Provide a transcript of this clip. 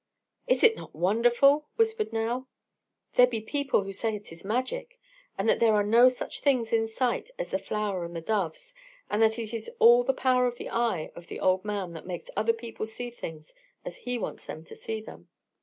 "Is it not wonderful?" whispered Nao. "There be people who say it is magic; and that there are no such things in sight as the flower and the doves, and that it is all the power of the eye of the old man that makes other people see things as he wants them to see them."